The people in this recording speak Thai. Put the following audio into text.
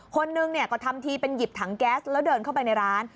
คนหนึ่งก็ทำทีเป็นหยิบถังแก๊สแล้วเดินเข้าไปในร้าน